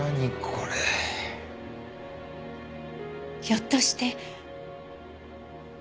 ひょっとして。